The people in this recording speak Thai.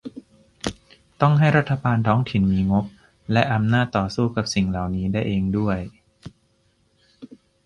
ต้องให้รัฐบาลท้องถิ่นมีงบและอำนาจสู้กับสิ่งเหล่านี้ได้เองด้วย